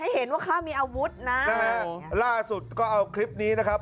เห็นว่าเขามีอาวุธนะนะฮะล่าสุดก็เอาคลิปนี้นะครับ